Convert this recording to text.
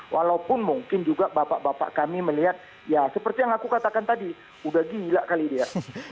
walaupun mungkin juga bapak bapak kami melihat ya seperti yang aku katakan tadi udah gila kali dia